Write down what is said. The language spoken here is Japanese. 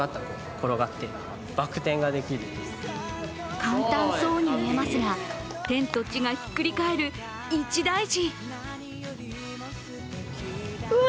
簡単そうに見えますが、天と地がひっくり返る一大事。